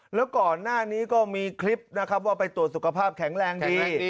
แล้วก่อนหน้านี้ก็มีคลิปนะครับว่าไปตรวจสุขภาพแข็งแรงดี